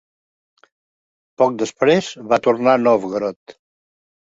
Poc després, va tornar a Novgorod.